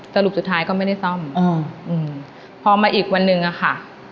สรุปสุดท้ายก็ไม่ได้ซ่อมพอมาอีกวันหนึ่งอะค่ะ